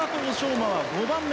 馬は５番目。